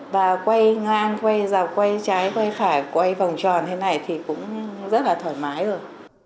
và quay ngang quay ra quay trái quay phải quay vòng tròn thế này thì cũng rất là thoải mái rồi